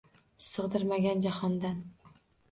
Sig’dirmagan jahondan